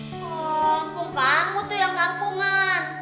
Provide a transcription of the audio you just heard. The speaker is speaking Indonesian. kampung kamu tuh yang kampungan